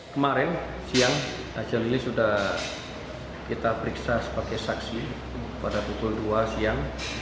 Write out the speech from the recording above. kemarin siang aja lili sudah kita periksa sebagai saksi pada pukul dua siang